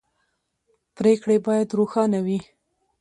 پرېکړې باید روښانه وي